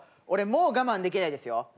俺もう我慢できないですよ。